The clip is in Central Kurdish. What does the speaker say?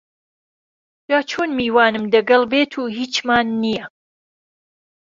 جاچون میوانم دەگەل بێت و هیچمان نییە